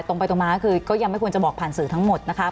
ตรงไปตรงมาคือก็ยังไม่ควรจะบอกผ่านสื่อทั้งหมดนะคะ